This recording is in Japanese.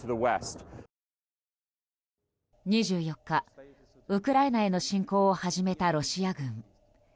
２４日、ウクライナへの侵攻を始めたロシア軍。